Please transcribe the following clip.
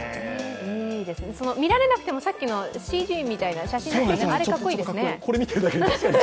見られなくても、さっきのＣＧみたいな、あれ、かっこいいですね。